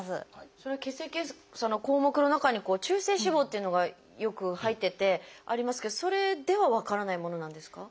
血液検査の項目の中に「中性脂肪」っていうのがよく入っててありますけどそれでは分からないものなんですか？